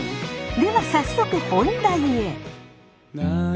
では早速本題へ。